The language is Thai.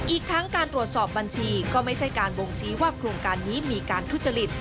อีกทั้งการตรวจสอบบัญชีก็ไม่ใช่การบ่งชี้ว่าโครงการนี้มีการทุจริต